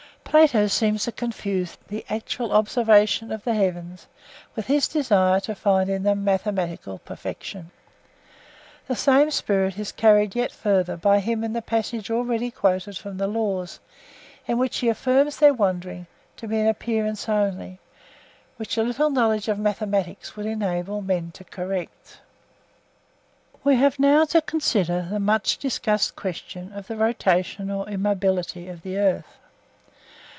Plato seems to confuse the actual observation of the heavens with his desire to find in them mathematical perfection. The same spirit is carried yet further by him in the passage already quoted from the Laws, in which he affirms their wanderings to be an appearance only, which a little knowledge of mathematics would enable men to correct. We have now to consider the much discussed question of the rotation or immobility of the earth.